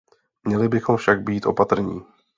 Měli bychom však být opatrní.